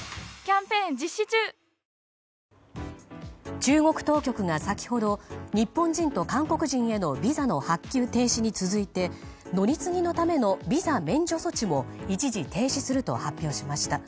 中国当局が先ほど日本人と韓国人へのビザの発給停止に続いて乗り継ぎのためのビザ免除措置も一時停止すると発表しました。